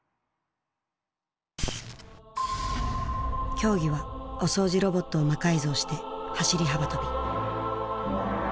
競技はお掃除ロボットを魔改造して走り幅跳び。